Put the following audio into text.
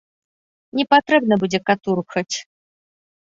Не патрэбна будзе катурхаць.